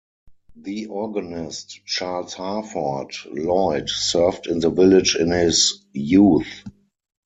The organist Charles Harford Lloyd served in the village in his youth.